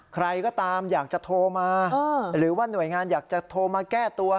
ใครก็ตามอยากจะโทรมาหรือว่าหน่วยงานอยากจะโทรมาแก้ตัว